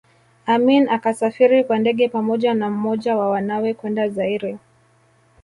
Amin akasafiri kwa ndege pamoja na mmoja wa wanawe kwenda Zaire